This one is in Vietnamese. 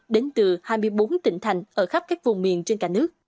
đến từ hai mươi bốn tỉnh thành ở khắp các vùng miền trên cả nước